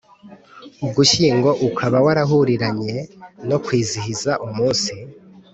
Ugushyingo ukaba warahuriranye no kwizihiza Umunsi